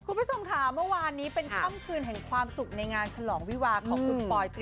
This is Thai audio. คุณผู้ชมค่ะเมื่อวานนี้เป็นค่ำคืนแห่งความสุขในงานฉลองวิวาของคุณปอยตรี